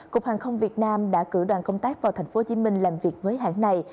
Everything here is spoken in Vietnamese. cục hàng không việt nam đã cử đoàn công tác vào thành phố hồ chí minh làm việc với hãng này